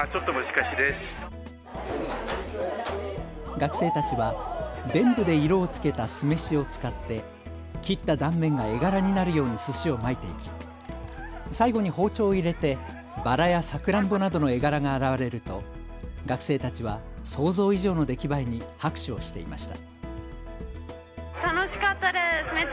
学生たちはでんぶで色をつけた酢飯を使って切った断面が絵柄になるようにすしを巻いていき、最後に包丁を入れてバラやサクランボなどの絵柄が現れると学生たちは想像以上の出来栄えに拍手をしていました。